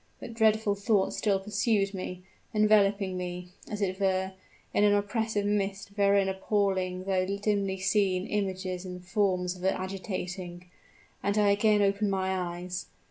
But dreadful thoughts still pursued me enveloping me, as it were, in an oppressive mist wherein appalling though dimly seen images and forms were agitating; and I again opened my eyes.